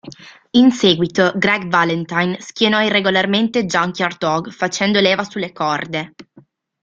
In seguito, Greg Valentine schienò irregolarmente Junkyard Dog facendo leva sulle corde.